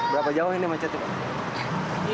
berapa jauh ini macetnya